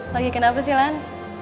lagi kenapa sih lan